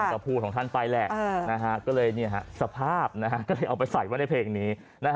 กระโผล่ของท่านไปแหละก็เลยสภาพเอาไปใส่มาในเพลงนี้